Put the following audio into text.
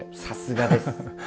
さすがです。